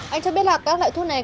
anh cho biết là các loại thuốc này